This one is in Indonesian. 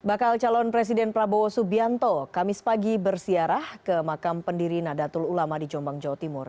bakal calon presiden prabowo subianto kamis pagi bersiarah ke makam pendiri nadatul ulama di jombang jawa timur